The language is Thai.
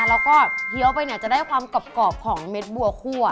แล้วก็เคี้ยวไปเนี่ยจะได้ความกรอบของเม็ดบัวคั่ว